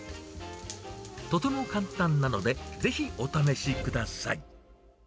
とても簡単なので、ぜひお試しください。